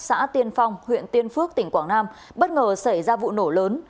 xã tiên phong huyện tiên phước tỉnh quảng nam bất ngờ xảy ra vụ nổ lớn